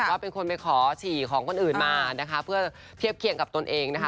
ว่าเป็นคนไปขอฉี่ของคนอื่นมานะคะเพื่อเทียบเคียงกับตนเองนะคะ